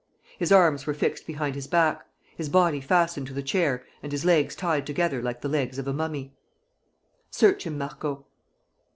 His arms were fixed behind his back, his body fastened to the chair and his legs tied together like the legs of a mummy. "Search him, Marco."